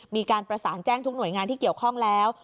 มีการประสานแจ้งทุกหน่วยงานที่เกี่ยวข้องแล้ว